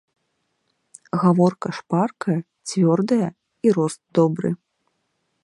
Гаворка шпаркая, цвёрдая і рост добры.